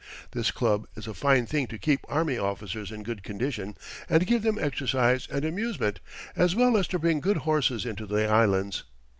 This club is a fine thing to keep army officers in good condition and give them exercise and amusement, as well as to bring good horses into the Islands.